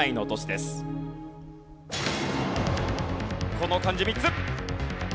この漢字３つ。